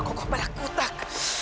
kekukuh balak kutak